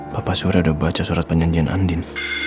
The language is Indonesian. papa surya udah baca surat penjanjian andin